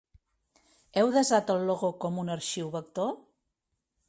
Heu desat el logo com un arxiu vector?